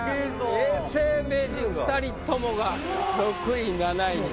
永世名人２人ともが６位７位に。